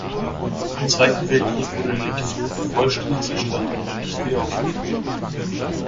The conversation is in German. Im Zweiten Weltkrieg wurde der linke Flügel vollständig zerstört und nicht wieder aufgebaut.